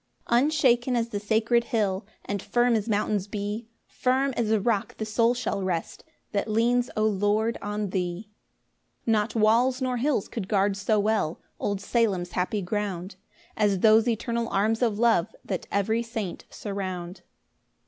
1 Unshaken as the sacred hill, And firm as mountains be, Firm as a rock the soul shall rest That leans, O Lord, on thee. 2 Not walls nor hills could guard so well Old Salem's happy ground, As those eternal arms of love That every saint surround.